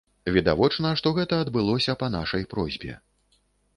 Відавочна, што гэта адбылося па нашай просьбе.